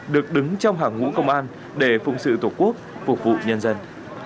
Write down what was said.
được đứng trong hàng ngũ công an để phụng sự tổ quốc phục vụ nhân dân